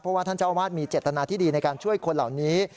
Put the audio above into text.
เพราะว่าท่านเจ้าอาวาสมีเจตนาที่ดีในการช่วยคนเหล่านี้